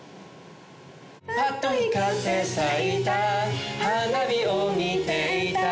「パッと光って咲いた花火を見ていた」